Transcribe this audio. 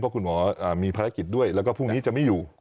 คุณหมอมีภารกิจด้วยแล้วก็พรุ่งนี้จะไม่อยู่